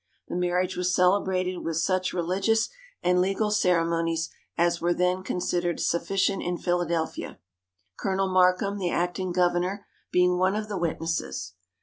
The marriage was celebrated with such religious and legal ceremonies as were then considered sufficient in Philadelphia. Colonel Markham, the acting governor, being one of the witnesses.